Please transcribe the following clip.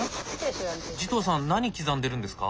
慈瞳さん何刻んでるんですか？